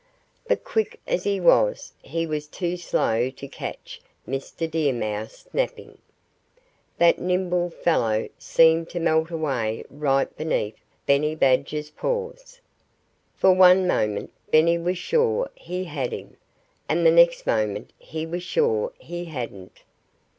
But quick as he was, he was too slow to catch Mr. Deer Mouse napping. That nimble fellow seemed to melt away right beneath Benny Badger's paws. For one moment Benny was sure he had him. And the next moment he was sure he hadn't.